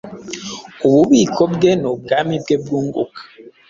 Ububiko bwe nubwami bwe bwunguka